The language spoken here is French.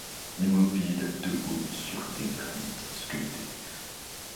Immobiles, debout sur des granits sculptés